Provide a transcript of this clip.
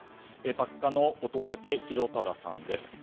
作家の乙武洋匡さんです。